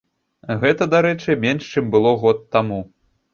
Гэта, дарэчы, менш, чым было год таму.